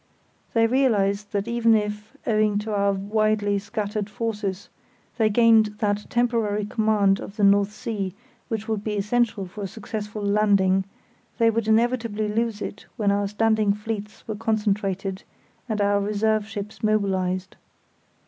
They realised that even if, owing to our widely scattered forces, they gained that temporary command of the North Sea which would be essential for a successful landing, they would inevitably lose it when our standing fleets were concentrated and our reserve ships mobilised.